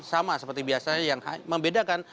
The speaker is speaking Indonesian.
sama seperti biasanya yang membedakan